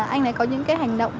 anh ấy có những cái hành động